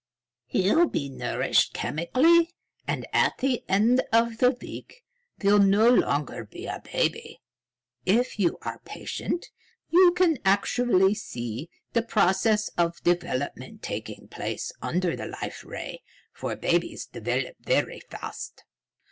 "He'll be nourished chemically, and, at the end of the week, will no longer be a baby. If you are patient, you can actually see the processes of development taking place under the Life Ray, for babies develop very fast."